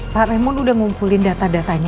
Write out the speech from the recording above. pak rehmon udah ngumpulin data datanya ya